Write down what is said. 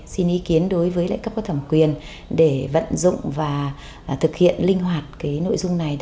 xin ý kiến đối với lại cấp có thẩm quyền để vận dụng và thực hiện linh hoạt nội dung này